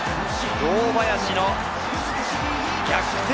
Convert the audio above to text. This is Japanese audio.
堂林の逆転